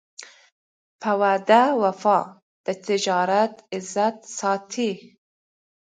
په وعده وفا د تجارت عزت ساتي.